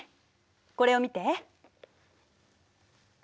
これを見て。